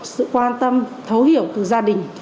sự quan tâm thấu hiểu từ gia đình